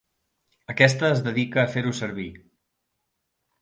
Aquesta es dedica a fer-ho servir.